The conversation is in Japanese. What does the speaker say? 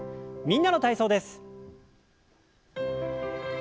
「みんなの体操」です。